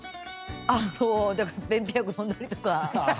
だから便秘薬飲んだりとか。